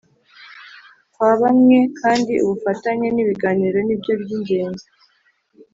kwa bamwe kandi ubufatanye n’ibiganiro ni byo by’ingenzi